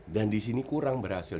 dan di sini kurang berhasil